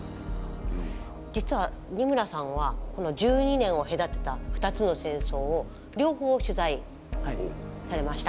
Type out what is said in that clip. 実は二村さんはこの１２年を隔てた２つの戦争を両方取材されました。